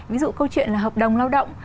ví dụ câu chuyện là hợp đồng lao động